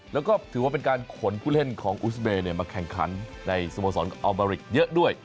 แล้วก็ถือว่าเป็นการขนผู้เล่นของอุสเบย์มาแข่งขันในสโมสรอัลบาริกเยอะด้วย